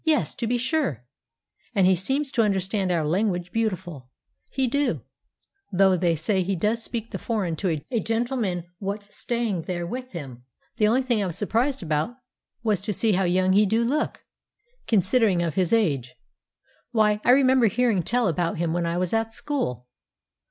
Yes, to be sure! And he seems to understand our language beautiful, he do; though they say he does speak the foreign to a gentleman what's staying there with him. The only thing I was surprised about was to see how young he do look, considering of his age. Why, I remember hearing tell about him when I was at school!"